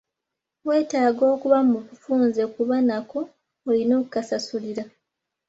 Weetaaga okuba mu bufunze kuba nako olina okukasasulira.